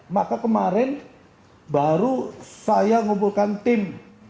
maka kemarin baru saya ngumpulkan tim